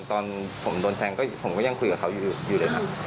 ตอนผมโดนแทงก็ผมก็ยังคุยกับเขาอยู่เลยครับ